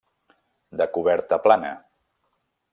De coberta plana.